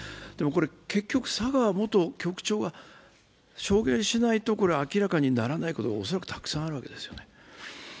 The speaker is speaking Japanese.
結局、佐川元局長が証言しないと明らかにならないことが恐らくたくさんあるんですよね。